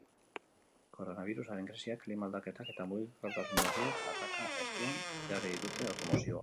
Koronabirusaren krisiak, klima aldaketak eta mugikortasun berriak ataka estuan jarri dute automozioa.